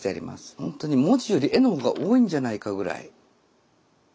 ほんとに文字より絵の方が多いんじゃないかぐらい。